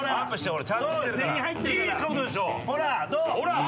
ほら。